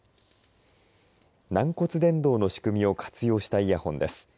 軟骨伝導の仕組みを活用したイヤホンです。